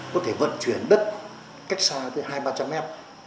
có thể vận chuyển đất cách xa tới hai trăm linh ba trăm linh mét